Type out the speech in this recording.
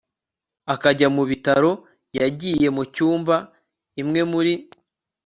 akajya mu bitaro. yagiye mu cyumba. imwe muri